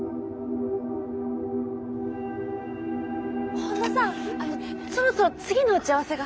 本田さんあのそろそろ次の打ち合わせが。